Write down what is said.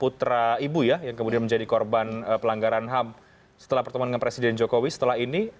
putra ibu ya yang kemudian menjadi korban pelanggaran ham setelah pertemuan dengan presiden jokowi setelah ini